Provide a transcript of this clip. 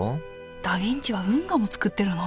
ダ・ヴィンチは運河も造ってるの？